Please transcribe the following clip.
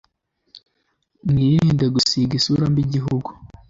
mwirinde gusiga isura mbi igihugu